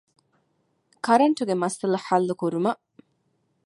ކަރަންޓުގެ މައްސަލަ ޙައްލުކުރުމަށް